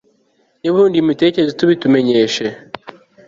Niba uhinduye imitekerereze tubitumenyeshe